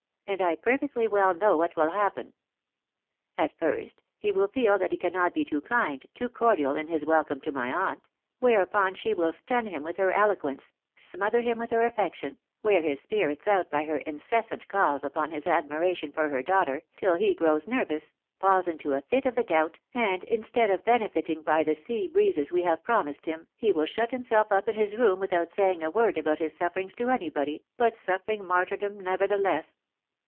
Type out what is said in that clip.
And I perfectly weU know what will happen. At first, he will feel that he cannot be too kind, too cordial in his welcome to my aunt — whereupon she will stun him with her eloquence, smother him with her affection, wear his spirits out by her incessant caUs upon his admiration for her daughter, till he grows nervous — falls into a fit of the gout, and instead of benefiting by the sea breezes we have pro mised him, he will shut himself up in his room without saying a word about his sufferings to anybody, but suffering martyr dom nevertheless."